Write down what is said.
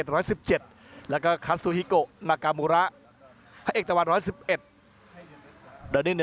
ร้อยสิบเจ็ดแล้วก็นากามูระเอ็กตะวันร้อยสิบเอ็ด